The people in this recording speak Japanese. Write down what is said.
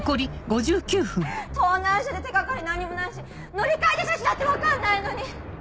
盗難車で手掛かり何にもないし乗り換えた車種だって分かんないのに！